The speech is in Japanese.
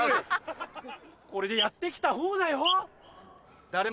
これでやってきた方だよ？